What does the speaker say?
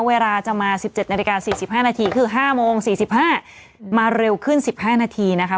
เวลาจะมา๑๗นาฬิกา๔๕นาทีคือ๕โมง๔๕มาเร็วขึ้น๑๕นาทีนะคะ